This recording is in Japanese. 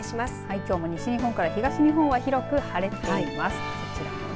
きょうも西日本から東日本は広く晴れています。